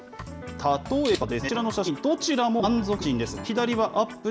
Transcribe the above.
例えばですね、こちらの写真、どちらも満足写真です。